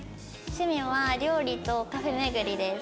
趣味は料理とカフェ巡りです。